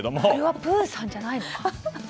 あれはプーさんじゃないのか？